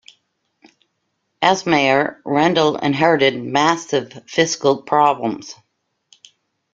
As mayor, Rendell inherited massive fiscal problems.